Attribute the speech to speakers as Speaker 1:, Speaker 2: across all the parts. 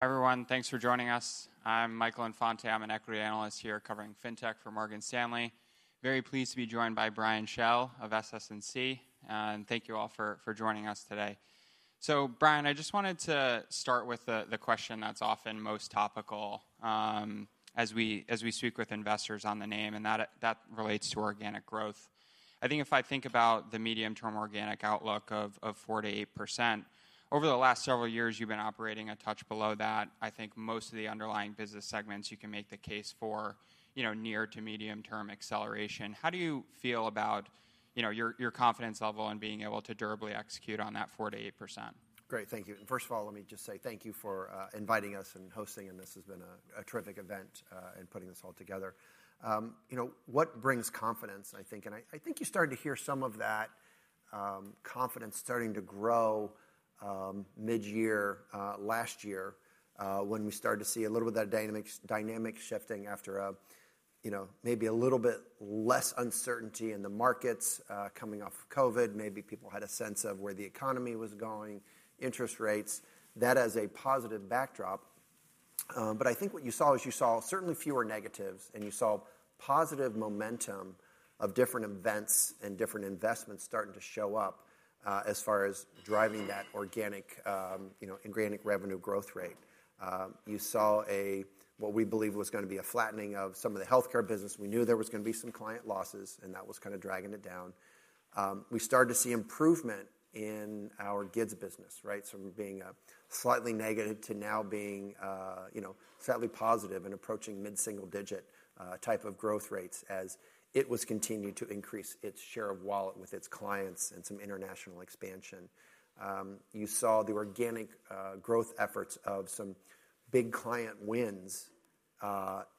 Speaker 1: Everyone, thanks for joining us. I'm Michael Infante. I'm an equity analyst here covering fintech for Morgan Stanley. Very pleased to be joined by Brian Schell of SS&C. And thank you all for joining us today. So, Brian, I just wanted to start with the question that's often most topical as we speak with investors on the name, and that relates to organic growth. I think if I think about the medium-term organic outlook of 4%-8%, over the last several years, you've been operating a touch below that. I think most of the underlying business segments you can make the case for near to medium-term acceleration. How do you feel about your confidence level in being able to durably execute on that 4%-8%?
Speaker 2: Great. Thank you. First of all, let me just say thank you for inviting us and hosting. This has been a terrific event and putting this all together. What brings confidence, I think? I think you started to hear some of that confidence starting to grow mid-year last year when we started to see a little bit of that dynamic shifting after maybe a little bit less uncertainty in the markets coming off of COVID. Maybe people had a sense of where the economy was going, interest rates, that as a positive backdrop. I think what you saw is you saw certainly fewer negatives, and you saw positive momentum of different events and different investments starting to show up as far as driving that organic revenue growth rate. You saw what we believe was going to be a flattening of some of the healthcare business. We knew there was going to be some client losses, and that was kind of dragging it down. We started to see improvement in our GIDS business, right, from being slightly negative to now being slightly positive and approaching mid-single-digit type of growth rates as it was continuing to increase its share of wallet with its clients and some international expansion. You saw the organic growth efforts of some big client wins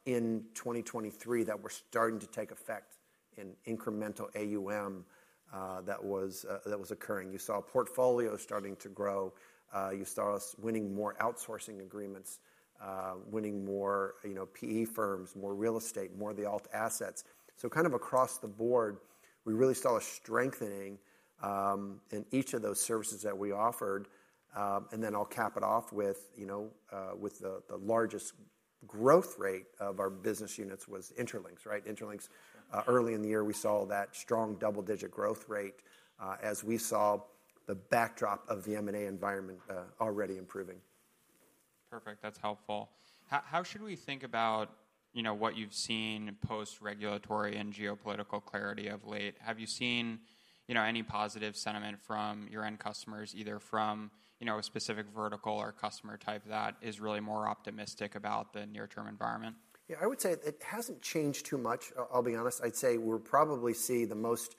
Speaker 2: in 2023 that were starting to take effect in incremental AUM that was occurring. You saw portfolios starting to grow. You saw us winning more outsourcing agreements, winning more PE firms, more real estate, more of the alt assets. So, kind of across the board, we really saw a strengthening in each of those services that we offered. And then I'll cap it off with the largest growth rate of our business units was Intralinks, right? Intralinks, early in the year, we saw that strong double-digit growth rate as we saw the backdrop of the M&A environment already improving.
Speaker 1: Perfect. That's helpful. How should we think about what you've seen post-regulatory and geopolitical clarity of late? Have you seen any positive sentiment from your end customers, either from a specific vertical or customer type that is really more optimistic about the near-term environment?
Speaker 2: Yeah, I would say it hasn't changed too much. I'll be honest. I'd say we'll probably see the most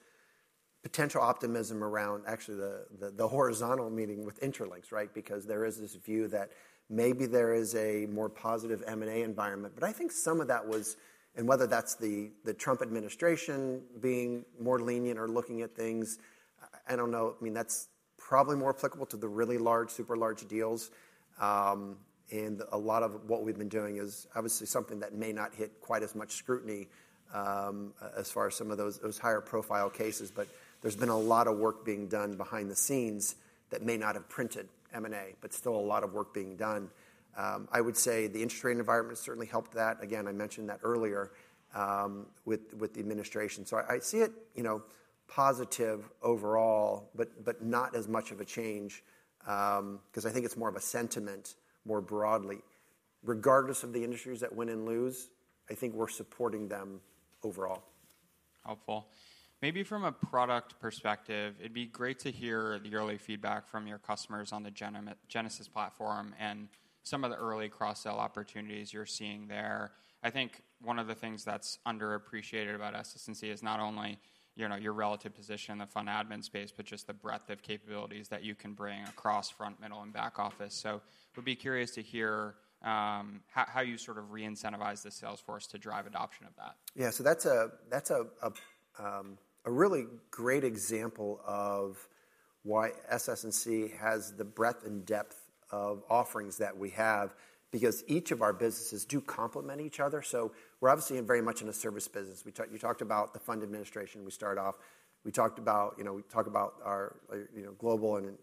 Speaker 2: potential optimism around actually the horizontal meeting with Intralinks, right, because there is this view that maybe there is a more positive M&A environment. But I think some of that was, and whether that's the Trump administration being more lenient or looking at things, I don't know. I mean, that's probably more applicable to the really large, super large deals. And a lot of what we've been doing is obviously something that may not hit quite as much scrutiny as far as some of those higher profile cases. But there's been a lot of work being done behind the scenes that may not have printed M&A, but still a lot of work being done. I would say the interest rate environment certainly helped that. Again, I mentioned that earlier with the administration. So I see it positive overall, but not as much of a change because I think it's more of a sentiment more broadly. Regardless of the industries that win and lose, I think we're supporting them overall.
Speaker 1: Helpful. Maybe from a product perspective, it'd be great to hear the early feedback from your customers on the Genesis platform and some of the early cross-sell opportunities you're seeing there. I think one of the things that's underappreciated about SS&C is not only your relative position in the fund admin space, but just the breadth of capabilities that you can bring across front, middle, and back office. So we'd be curious to hear how you sort of re-incentivize the sales force to drive adoption of that.
Speaker 2: Yeah, so that's a really great example of why SS&C has the breadth and depth of offerings that we have because each of our businesses do complement each other. So we're obviously very much in a service business. You talked about the fund administration. We started off, we talked about our global and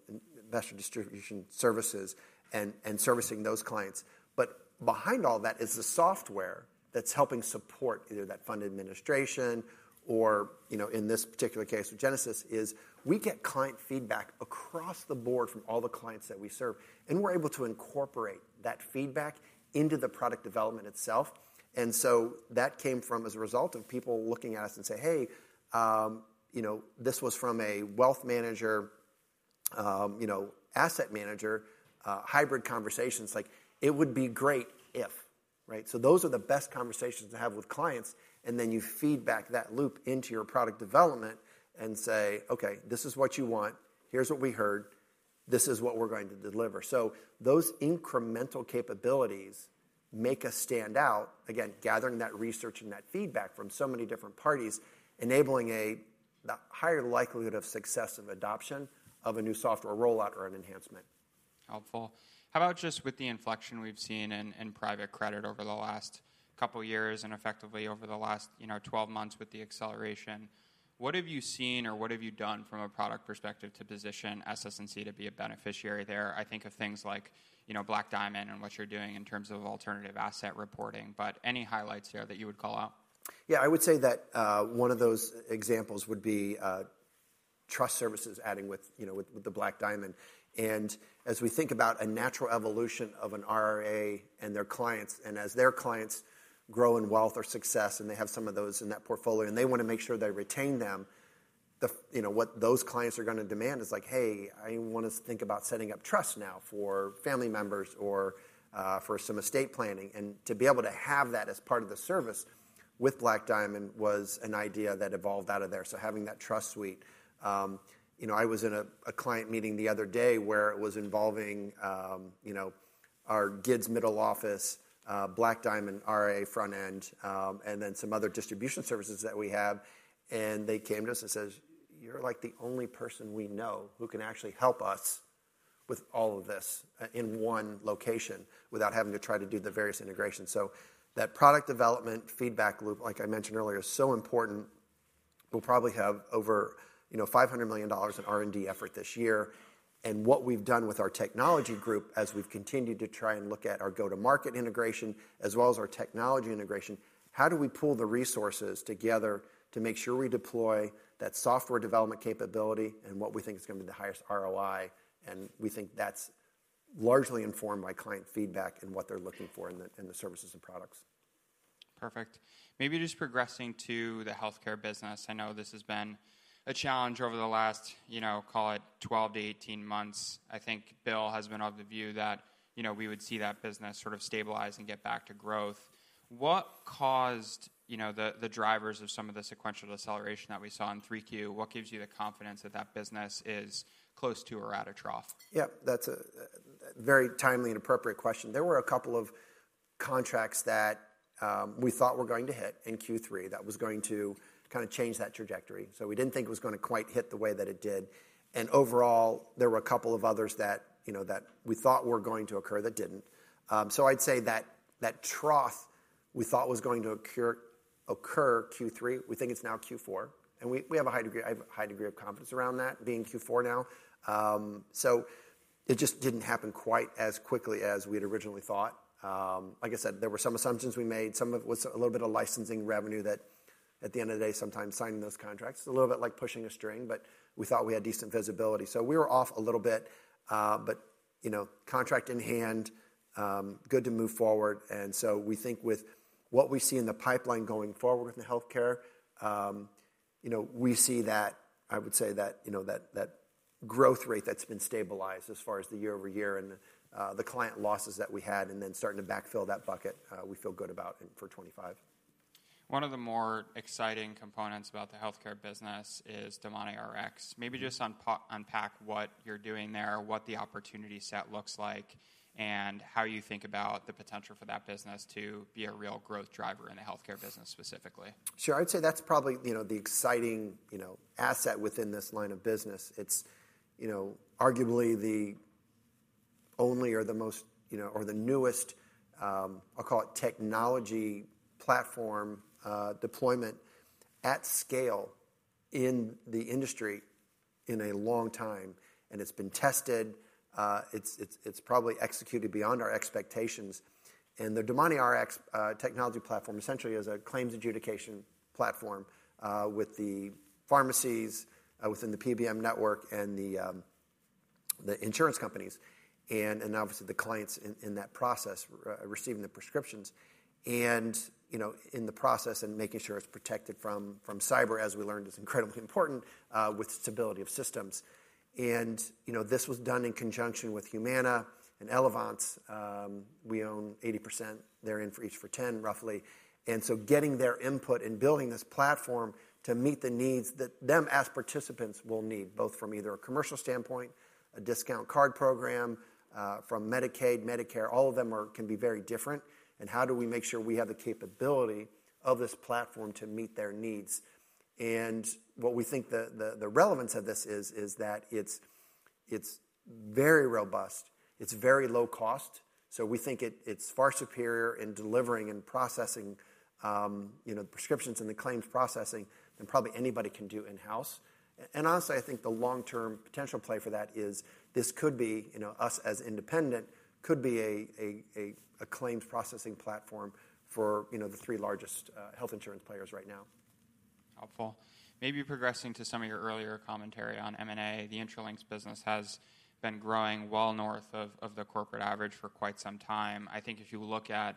Speaker 2: investor distribution services and servicing those clients. But behind all that is the software that's helping support either that fund administration or, in this particular case with Genesis, is we get client feedback across the board from all the clients that we serve. And we're able to incorporate that feedback into the product development itself. And so that came from as a result of people looking at us and say, "Hey, this was from a wealth manager, asset manager, hybrid conversations." It would be great if, right? So those are the best conversations to have with clients. And then you feed back that loop into your product development and say, "Okay, this is what you want. Here's what we heard. This is what we're going to deliver." So those incremental capabilities make us stand out, again, gathering that research and that feedback from so many different parties, enabling a higher likelihood of success of adoption of a new software rollout or an enhancement.
Speaker 1: Helpful. How about just with the inflection we've seen in private credit over the last couple of years and effectively over the last 12 months with the acceleration? What have you seen or what have you done from a product perspective to position SS&C to be a beneficiary there, I think, of things like Black Diamond and what you're doing in terms of alternative asset reporting? But any highlights here that you would call out?
Speaker 2: Yeah, I would say that one of those examples would be trust services adding with the Black Diamond. And as we think about a natural evolution of an RIA and their clients, and as their clients grow in wealth or success, and they have some of those in that portfolio, and they want to make sure they retain them, what those clients are going to demand is like, "Hey, I want to think about setting up trust now for family members or for some estate planning." And to be able to have that as part of the service with Black Diamond was an idea that evolved out of there. So having that trust suite, I was in a client meeting the other day where it was involving our GIDS middle office, Black Diamond RIA front end, and then some other distribution services that we have. And they came to us and said, "You're like the only person we know who can actually help us with all of this in one location without having to try to do the various integrations." So that product development feedback loop, like I mentioned earlier, is so important. We'll probably have over $500 million in R&D effort this year. And what we've done with our technology group as we've continued to try and look at our go-to-market integration as well as our technology integration, how do we pull the resources together to make sure we deploy that software development capability and what we think is going to be the highest ROI? And we think that's largely informed by client feedback and what they're looking for in the services and products.
Speaker 1: Perfect. Maybe just progressing to the healthcare business. I know this has been a challenge over the last, call it, 12 to 18 months. I think Bill has been of the view that we would see that business sort of stabilize and get back to growth. What caused the drivers of some of the sequential acceleration that we saw in 3Q? What gives you the confidence that that business is close to or at a trough?
Speaker 2: Yep, that's a very timely and appropriate question. There were a couple of contracts that we thought were going to hit in Q3 that was going to kind of change that trajectory. So we didn't think it was going to quite hit the way that it did. And overall, there were a couple of others that we thought were going to occur that didn't. So I'd say that trough we thought was going to occur Q3, we think it's now Q4. And we have a high degree of confidence around that being Q4 now. So it just didn't happen quite as quickly as we had originally thought. Like I said, there were some assumptions we made. Some of it was a little bit of licensing revenue that at the end of the day, sometimes signing those contracts is a little bit like pushing a string, but we thought we had decent visibility. So we were off a little bit, but contract in hand, good to move forward, and so we think with what we see in the pipeline going forward with the healthcare, we see that, I would say, that growth rate that's been stabilized as far as the year over year and the client losses that we had and then starting to backfill that bucket, we feel good about for 2025.
Speaker 1: One of the more exciting components about the healthcare business is DomaniRx. Maybe just unpack what you're doing there, what the opportunity set looks like, and how you think about the potential for that business to be a real growth driver in the healthcare business specifically.
Speaker 2: Sure. I'd say that's probably the exciting asset within this line of business. It's arguably the only or the most or the newest, I'll call it technology platform deployment at scale in the industry in a long time. It's been tested. It's probably executed beyond our expectations. The DomaniRx technology platform essentially is a claims adjudication platform with the pharmacies within the PBM network and the insurance companies and obviously the clients in that process receiving the prescriptions. In the process and making sure it's protected from cyber, as we learned, is incredibly important with stability of systems. This was done in conjunction with Humana and Elevance. We own 80%. They're in for each for 10%, roughly. And so getting their input and building this platform to meet the needs that them as participants will need both from either a commercial standpoint, a discount card program, from Medicaid, Medicare, all of them can be very different. And how do we make sure we have the capability of this platform to meet their needs? And what we think the relevance of this is that it's very robust. It's very low cost. So we think it's far superior in delivering and processing the prescriptions and the claims processing than probably anybody can do in-house. And honestly, I think the long-term potential play for that is this could be us as independent could be a claims processing platform for the three largest health insurance players right now.
Speaker 1: Helpful. Maybe progressing to some of your earlier commentary on M&A. The Intralinks business has been growing well north of the corporate average for quite some time. I think if you look at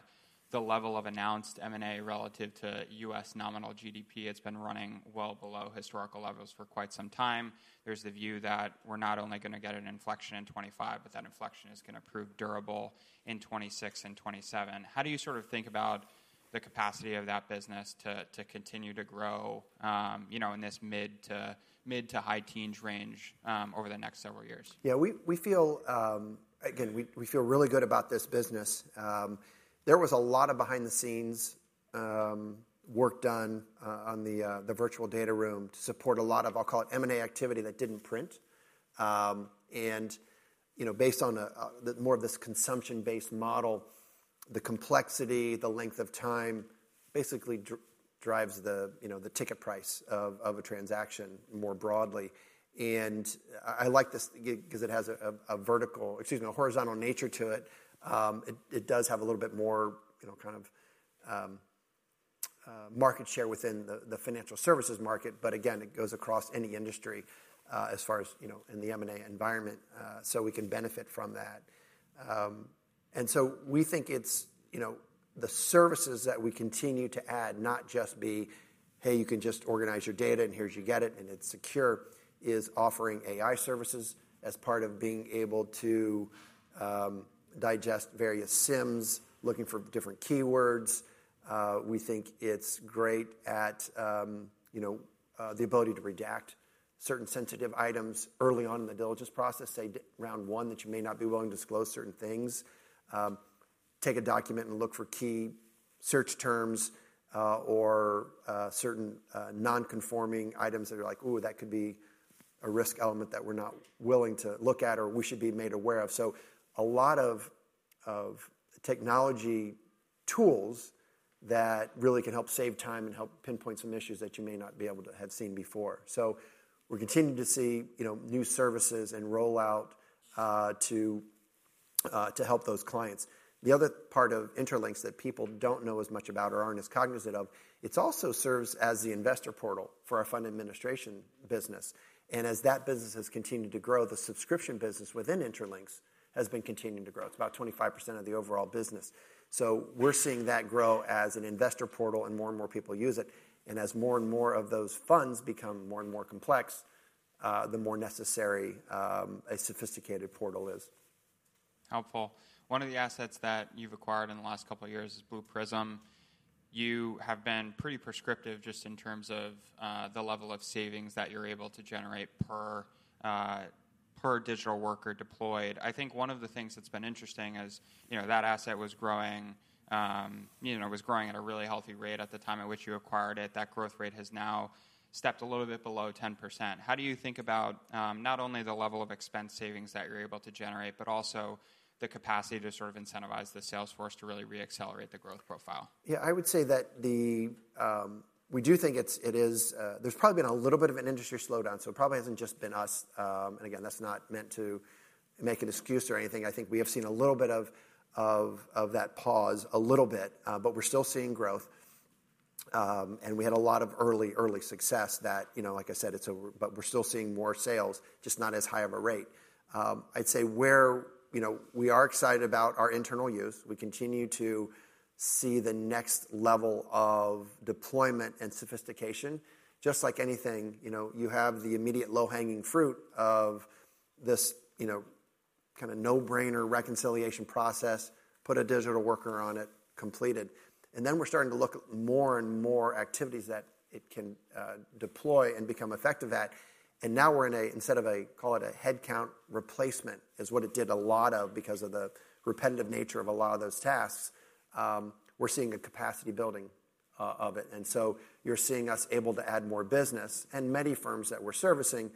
Speaker 1: the level of announced M&A relative to U.S. nominal GDP, it's been running well below historical levels for quite some time. There's the view that we're not only going to get an inflection in 2025, but that inflection is going to prove durable in 2026 and 2027. How do you sort of think about the capacity of that business to continue to grow in this mid- to high-teens range over the next several years?
Speaker 2: Yeah, we feel, again, we feel really good about this business. There was a lot of behind-the-scenes work done on the virtual data room to support a lot of, I'll call it, M&A activity that didn't print. And based on more of this consumption-based model, the complexity, the length of time basically drives the ticket price of a transaction more broadly. And I like this because it has a vertical, excuse me, a horizontal nature to it. It does have a little bit more kind of market share within the financial services market. But again, it goes across any industry as far as in the M&A environment. So we can benefit from that. And so we think it's the services that we continue to add, not just be, "Hey, you can just organize your data and here's, you get it and it's secure," is offering AI services as part of being able to digest various CIMs, looking for different keywords. We think it's great at the ability to redact certain sensitive items early on in the diligence process, say, round one, that you may not be willing to disclose certain things. Take a document and look for key search terms or certain non-conforming items that are like, "Ooh, that could be a risk element that we're not willing to look at or we should be made aware of." So a lot of technology tools that really can help save time and help pinpoint some issues that you may not be able to have seen before. So we're continuing to see new services and rollout to help those clients. The other part of Intralinks that people don't know as much about or aren't as cognizant of, it also serves as the investor portal for our fund administration business. And as that business has continued to grow, the subscription business within Intralinks has been continuing to grow. It's about 25% of the overall business. So we're seeing that grow as an investor portal and more and more people use it. And as more and more of those funds become more and more complex, the more necessary a sophisticated portal is.
Speaker 1: Helpful. One of the assets that you've acquired in the last couple of years is Blue Prism. You have been pretty prescriptive just in terms of the level of savings that you're able to generate per digital worker deployed. I think one of the things that's been interesting is that asset was growing, was growing at a really healthy rate at the time at which you acquired it. That growth rate has now stepped a little bit below 10%. How do you think about not only the level of expense savings that you're able to generate, but also the capacity to sort of incentivize the sales force to really re-accelerate the growth profile?
Speaker 2: Yeah, I would say that we do think it is. There's probably been a little bit of an industry slowdown, so it probably hasn't just been us, and again, that's not meant to make an excuse or anything. I think we have seen a little bit of that pause, a little bit, but we're still seeing growth, and we had a lot of early, early success that, like I said, but we're still seeing more sales, just not as high of a rate. I'd say where we are excited about our internal use, we continue to see the next level of deployment and sophistication. Just like anything, you have the immediate low-hanging fruit of this kind of no-brainer reconciliation process, put a digital worker on it, completed, and then we're starting to look at more and more activities that it can deploy and become effective at. And now we're in a, instead of a, call it a headcount replacement, is what it did a lot of because of the repetitive nature of a lot of those tasks. We're seeing a capacity building of it. And so you're seeing us able to add more business. And many firms that we're servicing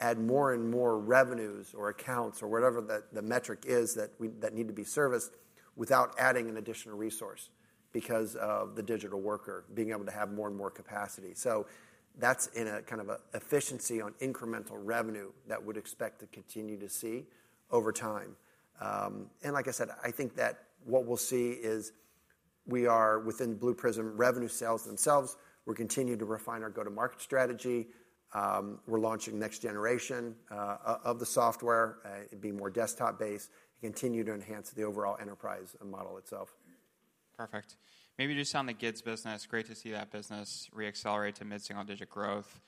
Speaker 2: add more and more revenues or accounts or whatever the metric is that need to be serviced without adding an additional resource because of the digital worker being able to have more and more capacity. So that's in a kind of efficiency on incremental revenue that we would expect to continue to see over time. And like I said, I think that what we'll see is we are within Blue Prism revenue sales themselves. We're continuing to refine our go-to-market strategy. We're launching next generation of the software. It'd be more desktop-based. Continue to enhance the overall enterprise model itself.
Speaker 1: Perfect. Maybe just on the GIDS business, great to see that business re-accelerate to mid-single digit growth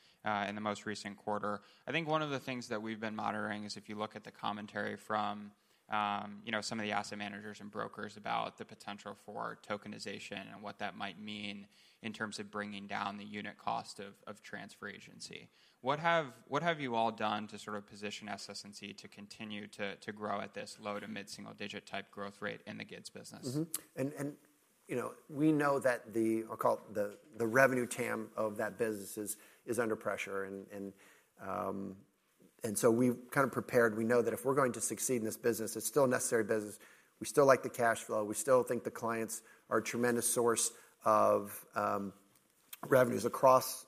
Speaker 1: in the most recent quarter. I think one of the things that we've been monitoring is if you look at the commentary from some of the asset managers and brokers about the potential for tokenization and what that might mean in terms of bringing down the unit cost of transfer agency. What have you all done to sort of position SS&C to continue to grow at this low to mid-single digit type growth rate in the GIDS business?
Speaker 2: We know that the, I'll call it, the revenue TAM of that business is under pressure, and so we've kind of prepared. We know that if we're going to succeed in this business, it's still a necessary business. We still like the cash flow. We still think the clients are a tremendous source of revenues across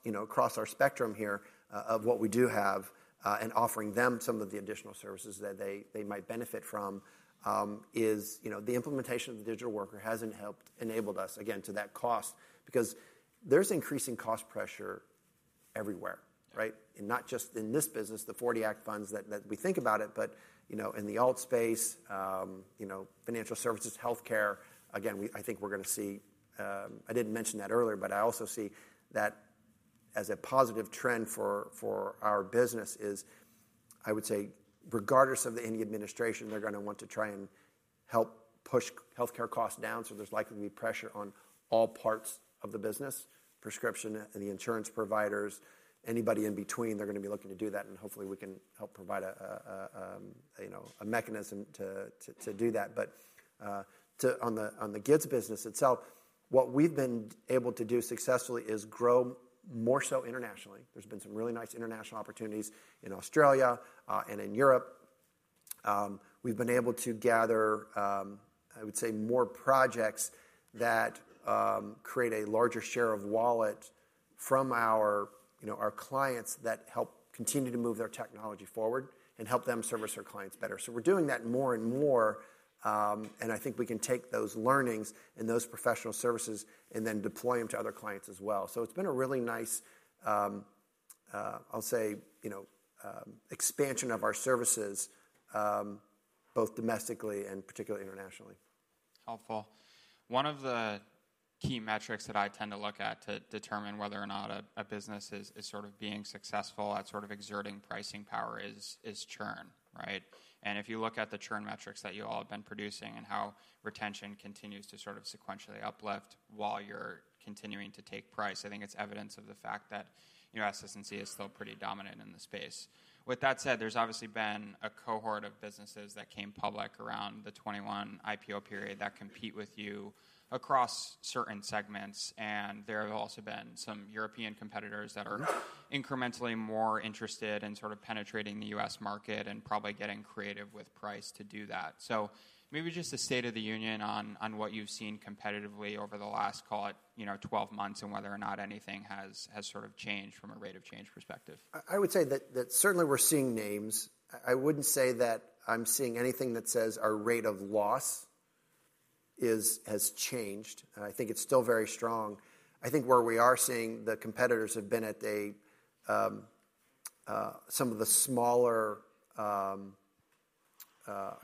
Speaker 2: our spectrum here of what we do have, and offering them some of the additional services that they might benefit from is the implementation of the digital worker has helped enable us, again, to that cost because there's increasing cost pressure everywhere, right, and not just in this business, the 40 Act funds that we think about it, but in the alt space, financial services, healthcare. Again, I think we're going to see. I didn't mention that earlier, but I also see that as a positive trend for our business is, I would say, regardless of any administration, they're going to want to try and help push healthcare costs down. So there's likely to be pressure on all parts of the business, prescription and the insurance providers, anybody in between, they're going to be looking to do that. And hopefully we can help provide a mechanism to do that. But on the GIDS business itself, what we've been able to do successfully is grow more so internationally. There's been some really nice international opportunities in Australia and in Europe. We've been able to gather, I would say, more projects that create a larger share of wallet from our clients that help continue to move their technology forward and help them service their clients better. So we're doing that more and more. And I think we can take those learnings and those professional services and then deploy them to other clients as well. So it's been a really nice, I'll say, expansion of our services both domestically and particularly internationally.
Speaker 1: Helpful. One of the key metrics that I tend to look at to determine whether or not a business is sort of being successful at sort of exerting pricing power is churn, right? And if you look at the churn metrics that you all have been producing and how retention continues to sort of sequentially uplift while you're continuing to take price, I think it's evidence of the fact that SS&C is still pretty dominant in the space. With that said, there's obviously been a cohort of businesses that came public around the 2021 IPO period that compete with you across certain segments. And there have also been some European competitors that are incrementally more interested in sort of penetrating the U.S. market and probably getting creative with price to do that. Maybe just a state of the union on what you've seen competitively over the last, call it, 12 months and whether or not anything has sort of changed from a rate of change perspective.
Speaker 2: I would say that certainly we're seeing names. I wouldn't say that I'm seeing anything that says our rate of loss has changed. I think it's still very strong. I think where we are seeing the competitors have been at some of the smaller, I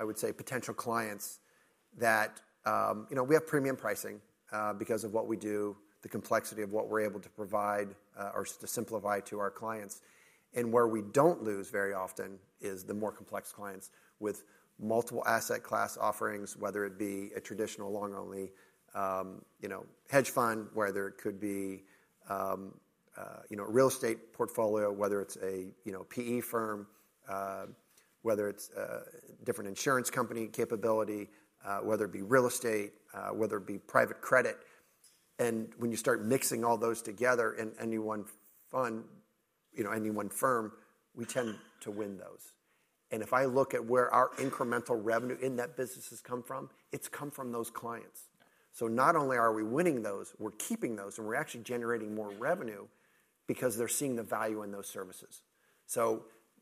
Speaker 2: would say, potential clients that we have premium pricing because of what we do, the complexity of what we're able to provide or to simplify to our clients. And where we don't lose very often is the more complex clients with multiple asset class offerings, whether it be a traditional long-only hedge fund, whether it could be a real estate portfolio, whether it's a PE firm, whether it's a different insurance company capability, whether it be real estate, whether it be private credit. And when you start mixing all those together in any one firm, we tend to win those. If I look at where our incremental revenue in that business has come from, it's come from those clients. Not only are we winning those, we're keeping those and we're actually generating more revenue because they're seeing the value in those services.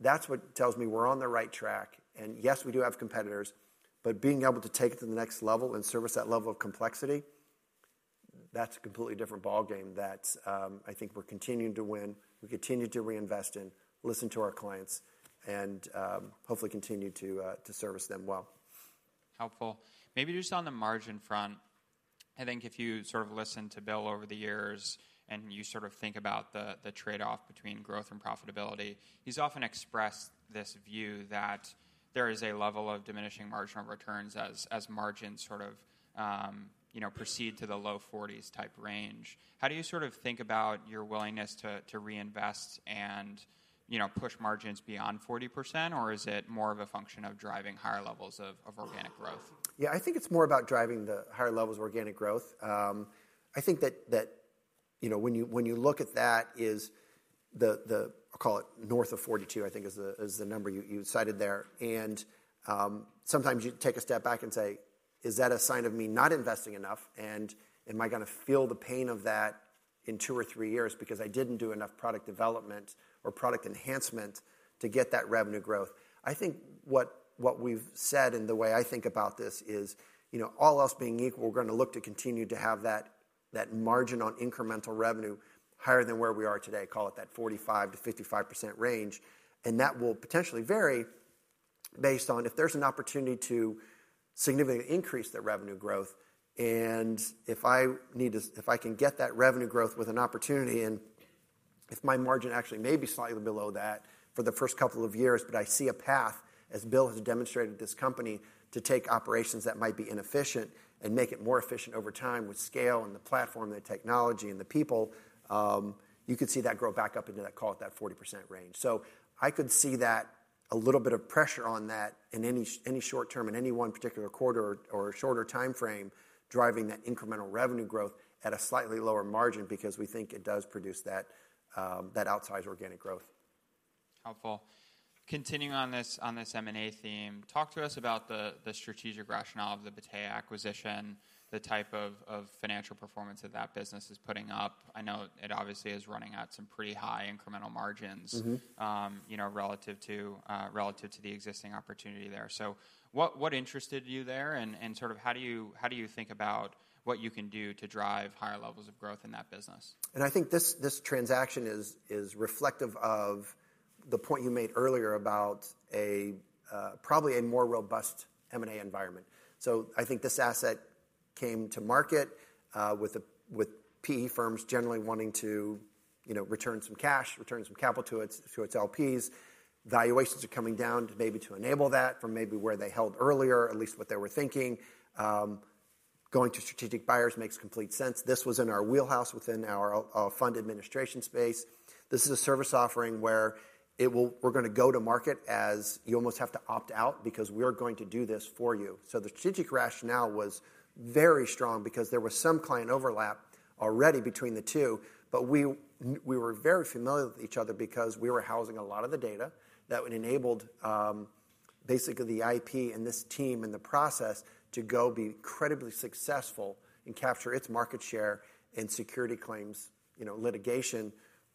Speaker 2: That's what tells me we're on the right track. Yes, we do have competitors, but being able to take it to the next level and service that level of complexity, that's a completely different ballgame that I think we're continuing to win, we continue to reinvest in, listen to our clients, and hopefully continue to service them well.
Speaker 1: Helpful. Maybe just on the margin front, I think if you sort of listen to Bill over the years and you sort of think about the trade-off between growth and profitability, he's often expressed this view that there is a level of diminishing marginal returns as margins sort of proceed to the low 40s type range. How do you sort of think about your willingness to reinvest and push margins beyond 40%, or is it more of a function of driving higher levels of organic growth?
Speaker 2: Yeah, I think it's more about driving the higher levels of organic growth. I think that when you look at that is the, I'll call it north of 42, I think is the number you cited there. And sometimes you take a step back and say, is that a sign of me not investing enough? And am I going to feel the pain of that in two or three years because I didn't do enough product development or product enhancement to get that revenue growth? I think what we've said and the way I think about this is all else being equal, we're going to look to continue to have that margin on incremental revenue higher than where we are today, call it that 45%-55% range. And that will potentially vary based on if there's an opportunity to significantly increase the revenue growth. And if I need to, if I can get that revenue growth with an opportunity and if my margin actually may be slightly below that for the first couple of years, but I see a path, as Bill has demonstrated this company, to take operations that might be inefficient and make it more efficient over time with scale and the platform, the technology, and the people, you could see that grow back up into that, call it that 40% range. So I could see that a little bit of pressure on that in any short term in any one particular quarter or shorter timeframe driving that incremental revenue growth at a slightly lower margin because we think it does produce that outsized organic growth.
Speaker 1: Helpful. Continuing on this M&A theme, talk to us about the strategic rationale of the Battea acquisition, the type of financial performance that that business is putting up. I know it obviously is running at some pretty high incremental margins relative to the existing opportunity there. So what interested you there and sort of how do you think about what you can do to drive higher levels of growth in that business?
Speaker 2: I think this transaction is reflective of the point you made earlier about probably a more robust M&A environment. So I think this asset came to market with PE firms generally wanting to return some cash, return some capital to its LPs. Valuations are coming down maybe to enable that from maybe where they held earlier, at least what they were thinking. Going to strategic buyers makes complete sense. This was in our wheelhouse within our fund administration space. This is a service offering where we're going to go to market as you almost have to opt out because we are going to do this for you. So the strategic rationale was very strong because there was some client overlap already between the two, but we were very familiar with each other because we were housing a lot of the data that enabled basically the IP and this team and the process to go be incredibly successful and capture its market share in security claims, litigation,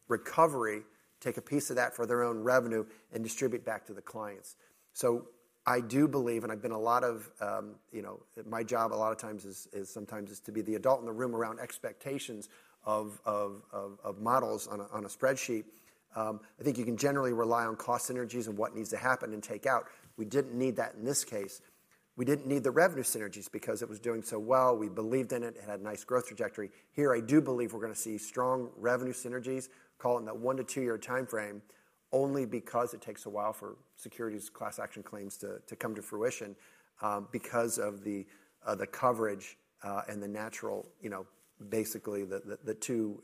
Speaker 2: recovery, take a piece of that for their own revenue and distribute back to the clients. So I do believe, and I've been a lot of my job a lot of times is sometimes to be the adult in the room around expectations of models on a spreadsheet. I think you can generally rely on cost synergies and what needs to happen and take out. We didn't need that in this case. We didn't need the revenue synergies because it was doing so well. We believed in it. It had a nice growth trajectory. Here, I do believe we're going to see strong revenue synergies, call it in that one- to two-year timeframe only because it takes a while for securities class action claims to come to fruition because of the coverage and the natural, basically the two,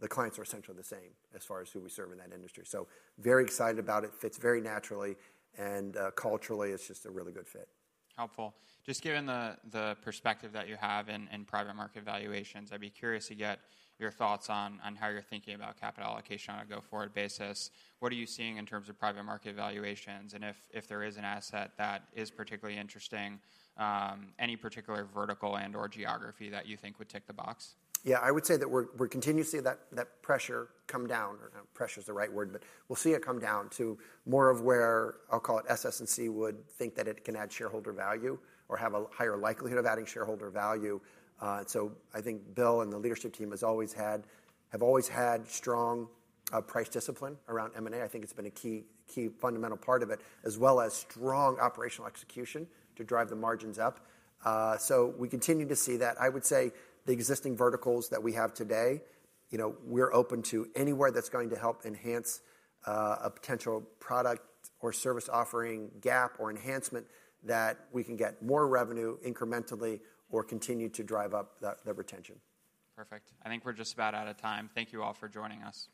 Speaker 2: the clients are essentially the same as far as who we serve in that industry. So very excited about it. Fits very naturally and culturally. It's just a really good fit.
Speaker 1: Helpful. Just given the perspective that you have in private market valuations, I'd be curious to get your thoughts on how you're thinking about capital allocation on a go-forward basis. What are you seeing in terms of private market valuations? And if there is an asset that is particularly interesting, any particular vertical and/or geography that you think would tick the box?
Speaker 2: Yeah, I would say that we're continuously seeing that pressure come down, or pressure is the right word, but we'll see it come down to more of where, I'll call it SS&C would think that it can add shareholder value or have a higher likelihood of adding shareholder value. So I think Bill and the leadership team have always had strong price discipline around M&A. I think it's been a key fundamental part of it, as well as strong operational execution to drive the margins up. So we continue to see that. I would say the existing verticals that we have today, we're open to anywhere that's going to help enhance a potential product or service offering gap or enhancement that we can get more revenue incrementally or continue to drive up the retention.
Speaker 1: Perfect. I think we're just about out of time. Thank you all for joining us.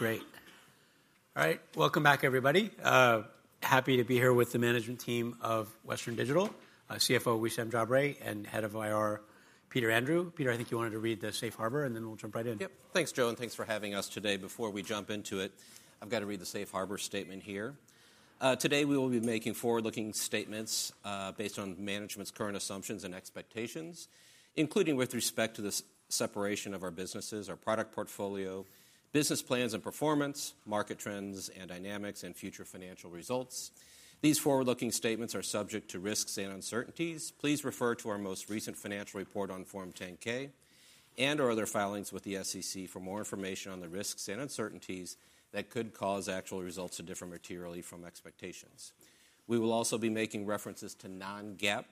Speaker 1: You know, I've been dreaming about you all this time, wondering if you'd all be mine. If so, start moving your body next to mine. There's no need to get in line. So let me on, jump in, we're gonna get it all. I want just love, love for everyone. It's not wrong. Let go, there's no number one. Let go, love for everyone. Yep. Great. All right. Welcome back, everybody. Happy to be here with the management team of Western Digital, CFO Wissam Jabre and head of IR, Peter Andrew. Peter, I think you wanted to read the safe harbor and then we'll jump right in.
Speaker 3: Yep. Thanks, Joe, and thanks for having us today. Before we jump into it, I've got to read the safe harbor statement here. Today, we will be making forward-looking statements based on management's current assumptions and expectations, including with respect to the separation of our businesses, our product portfolio, business plans and performance, market trends and dynamics, and future financial results. These forward-looking statements are subject to risks and uncertainties. Please refer to our most recent financial report on Form 10-K and/or other filings with the SEC for more information on the risks and uncertainties that could cause actual results to differ materially from expectations. We will also be making references to non-GAAP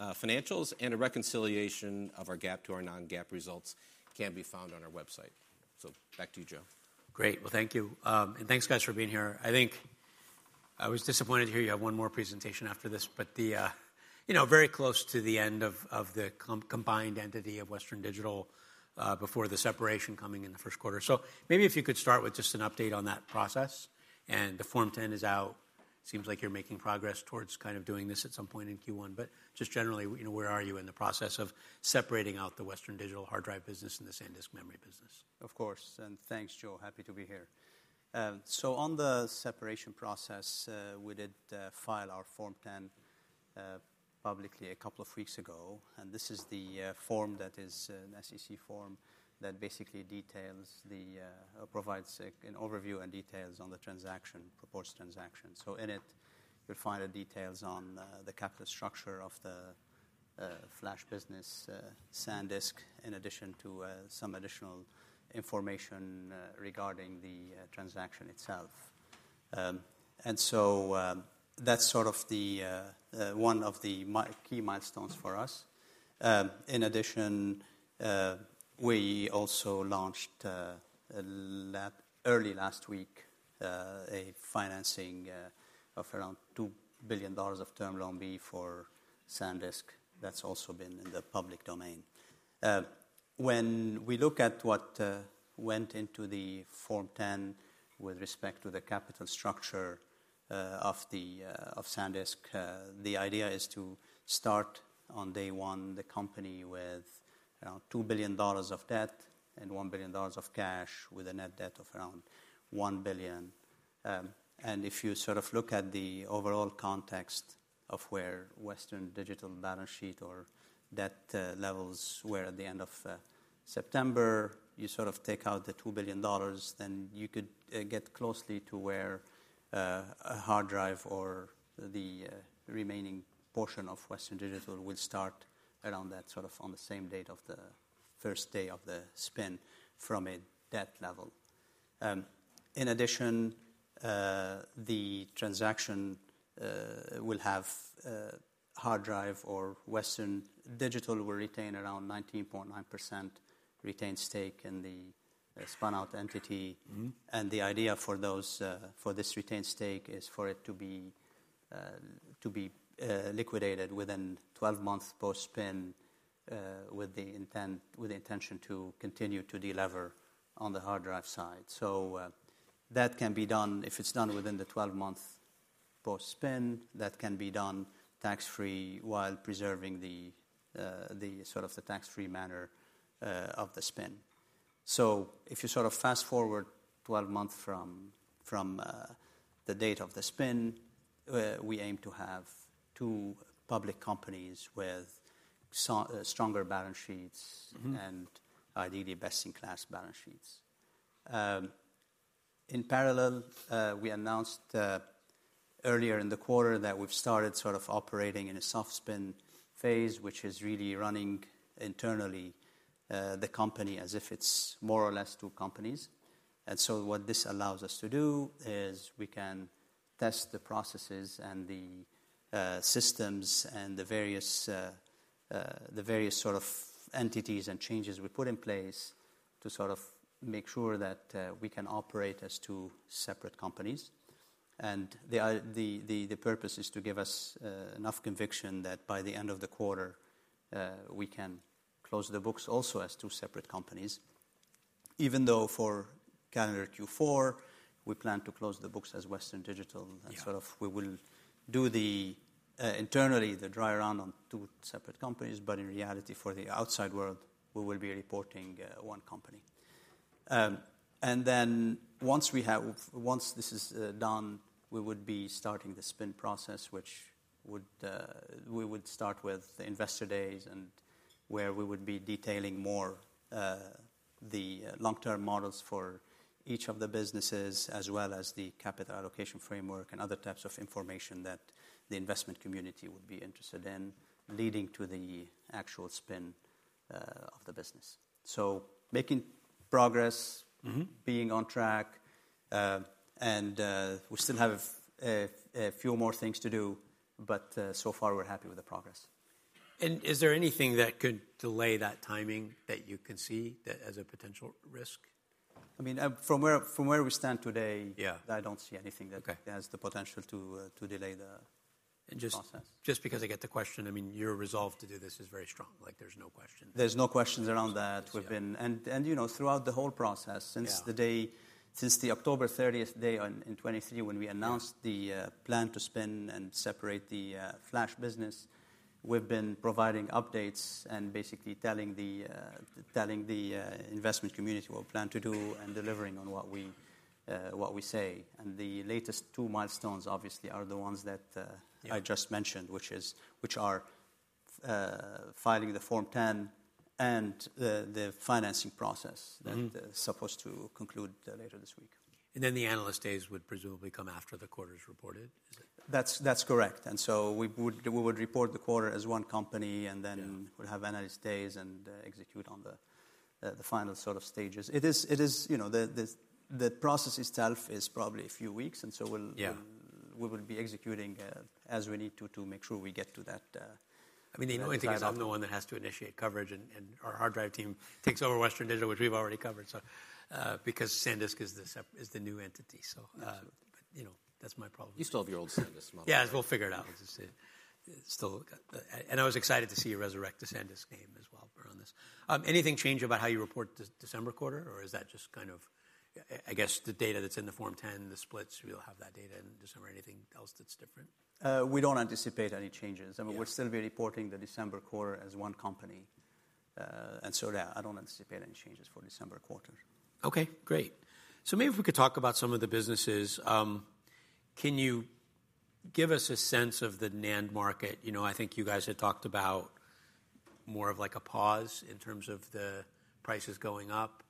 Speaker 3: financials, and a reconciliation of our GAAP to our non-GAAP results can be found on our website. So back to you, Joe. Great. Well, thank you. And thanks, guys, for being here. I think I was disappointed to hear you have one more presentation after this, but very close to the end of the combined entity of Western Digital before the separation coming in the first quarter. So maybe if you could start with just an update on that process. And the Form 10 is out. Seems like you're making progress towards kind of doing this at some point in Q1. But just generally, where are you in the process of separating out the Western Digital hard drive business and the SanDisk memory business?
Speaker 4: Of course. And thanks, Joe. Happy to be here. So on the separation process, we did file our Form 10 publicly a couple of weeks ago. And this is the form that is an SEC form that basically details and provides an overview and details on the transaction, proposed transaction. So in it, you'll find the details on the capital structure of the Flash business, SanDisk, in addition to some additional information regarding the transaction itself. And so that's sort of one of the key milestones for us. In addition, we also launched early last week a financing of around $2 billion of Term Loan B for SanDisk. That's also been in the public domain. When we look at what went into the Form 10 with respect to the capital structure of SanDisk, the idea is to start on day one, the company with $2 billion of debt and $1 billion of cash with a net debt of around $1 billion, and if you sort of look at the overall context of where Western Digital balance sheet or debt levels were at the end of September, you sort of take out the $2 billion, then you could get closely to where a hard drive or the remaining portion of Western Digital would start around that sort of on the same date of the first day of the spin from a debt level. In addition, the transaction will have hard drive or Western Digital will retain around 19.9% retained stake in the spun-out entity. The idea for this retained stake is for it to be liquidated within 12 months post-spin with the intention to continue to delever on the hard drive side. That can be done if it's done within the 12 month post-spin. That can be done tax-free while preserving the sort of tax-free manner of the spin. If you sort of fast forward 12 months from the date of the spin, we aim to have two public companies with stronger balance sheets and ideally best-in-class balance sheets. In parallel, we announced earlier in the quarter that we've started sort of operating in a soft spin phase, which is really running internally the company as if it's more or less two companies. And so what this allows us to do is we can test the processes and the systems and the various sort of entities and changes we put in place to sort of make sure that we can operate as two separate companies. And the purpose is to give us enough conviction that by the end of the quarter, we can close the books also as two separate companies. Even though for calendar Q4, we plan to close the books as Western Digital and sort of we will do internally the dry run on two separate companies, but in reality, for the outside world, we will be reporting one company. And then once this is done, we would be starting the spin process, which we would start with the investor days and where we would be detailing more the long-term models for each of the businesses, as well as the capital allocation framework and other types of information that the investment community would be interested in leading to the actual spin of the business. So making progress, being on track, and we still have a few more things to do, but so far, we're happy with the progress. Is there anything that could delay that timing that you can see as a potential risk? I mean, from where we stand today, I don't see anything that has the potential to delay the process. Just because I get the question, I mean, your resolve to do this is very strong. There's no question. There's no questions around that, and throughout the whole process, since the October 30th, 2023, when we announced the plan to spin and separate the Flash business, we've been providing updates and basically telling the investment community what we plan to do and delivering on what we say, and the latest two milestones obviously are the ones that I just mentioned, which are filing the Form 10 and the financing process that is supposed to conclude later this week. The analyst days would presumably come after the quarter is reported. That's correct, and so we would report the quarter as one company and then would have analyst days and execute on the final sort of stages. The process itself is probably a few weeks, and so we will be executing as we need to make sure we get to that. I mean, the annoying thing is I'm the one that has to initiate coverage, and our hard drive team takes over Western Digital, which we've already covered, because SanDisk is the new entity. But that's my problem. You still have your old SanDisk model. Yeah, we'll figure it out. And I was excited to see you resurrect the SanDisk name as well around this. Anything change about how you report the December quarter, or is that just kind of, I guess, the data that's in the Form 10, the splits, we'll have that data in December? Anything else that's different? We don't anticipate any changes. I mean, we're still reporting the December quarter as one company, and so yeah, I don't anticipate any changes for December quarter. Okay, great. So maybe if we could talk about some of the businesses, can you give us a sense of the NAND market? I think you guys had talked about more of like a pause in terms of the prices going up,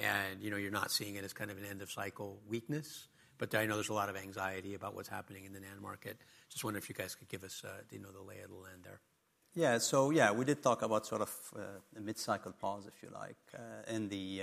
Speaker 4: and you're not seeing it as kind of an end-of-cycle weakness, but I know there's a lot of anxiety about what's happening in the NAND market. Just wondering if you guys could give us the lay of the land there. Yeah, so we did talk about sort of a mid-cycle pause, if you like, in the.